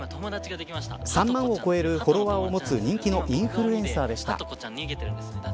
３万を超えるフォロワーを持つ人気のインフルエンサーでした。